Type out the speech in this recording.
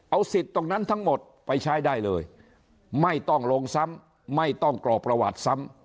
เอาสิทธิ์ตรงนั้นทั้งหมดไปใช้ได้เลยไม่ต้องลงซ้ำไม่ต้องกรอกประวัติซ้ำ